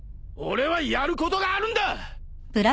俺はやることがあるんだ！